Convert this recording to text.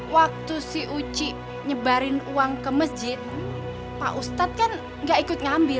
waktu si uci nyebarin uang ke masjid pak ustadz kan gak ikut ngambil